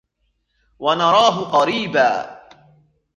ونراه قريبا